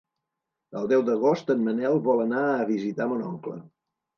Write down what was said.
El deu d'agost en Manel vol anar a visitar mon oncle.